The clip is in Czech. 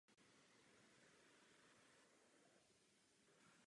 Po skončení aktivní kariéry působí jako trenér v nižších a regionálních soutěžích.